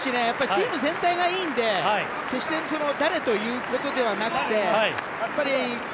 やっぱりチーム全体がいいので決して誰ということではなくて。